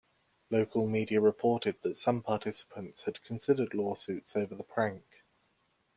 Local media reported that some participants had considered lawsuits over the prank.